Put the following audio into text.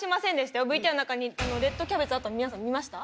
ＶＴＲの中にレッドキャベツあったの皆さん見ました？